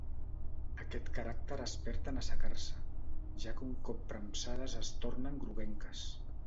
Aquest caràcter es perd en assecar-se, ja que un cop premsades es tornen groguenques.